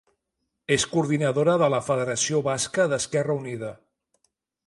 És coordinadora de la federació basca d'Esquerra Unida.